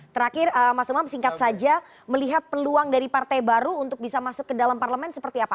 terakhir mas umam singkat saja melihat peluang dari partai baru untuk bisa masuk ke dalam parlemen seperti apa